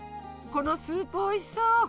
このスープおいしそう！